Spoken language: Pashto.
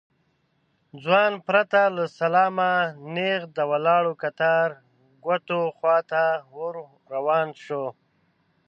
ځوان پرته له سلامه نېغ د ولاړو کتار کوټو خواته ور روان شو.